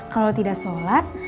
kalau tidak sholat